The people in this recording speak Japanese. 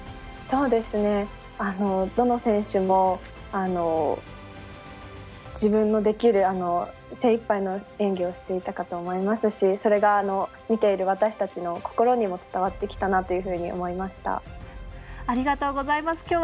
どの選手も自分のできる精いっぱいの演技をしていたかと思いますしそれが、見ている私たちの心にも伝わってきたなというふうにありがとうございます。